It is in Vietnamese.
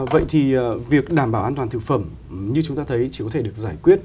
vậy thì việc đảm bảo an toàn thực phẩm như chúng ta thấy chỉ có thể được giải quyết